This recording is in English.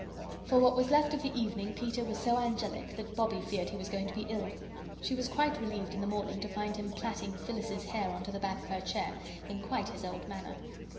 For what was left of the evening Peter was so angelic that Bobbie feared he was going to be ill. She was quite relieved in the morning to find him plaiting Phyllis's hair on to the back of her chair in quite his old manner.